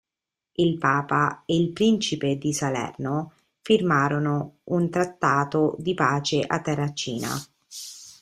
Il papa e il principe di Salerno firmarono un trattato di pace a Terracina.